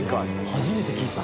初めて聞いた。